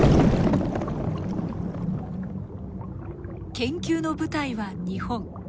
研究の舞台は日本。